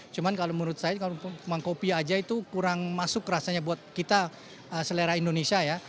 cuma kalau menurut saya kalau memang kopi aja itu kurang masuk rasanya buat kita selera indonesia ya